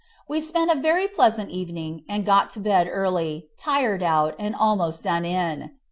We spent a very pleasant evening, and got to bed early, tired out, and almost done up.